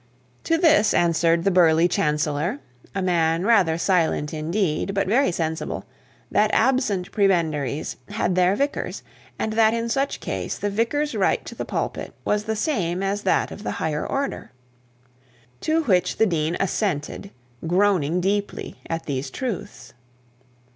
To this answered the burly chancellor, a man rather silent indeed, but very sensible, that absent prebendaries had their vicars, and that in such case the vicar's right to the pulpit was the same as that of the higher order. To which the dean assented, groaning deeply at these truths.